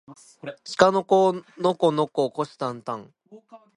しかのこのこのここしたんたん